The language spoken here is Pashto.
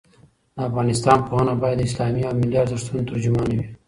د افغانستان پوهنه باید د اسلامي او ملي ارزښتونو ترجمانه وي.